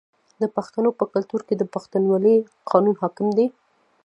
د پښتنو په کلتور کې د پښتونولۍ قانون حاکم دی.